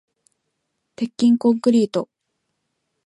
鉄筋コンクリート